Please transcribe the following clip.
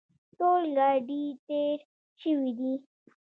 ټول ګاډي تېر شوي دي.